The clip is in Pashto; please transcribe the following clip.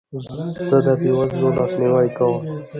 زه د بې وزلو لاسنیوی کوم.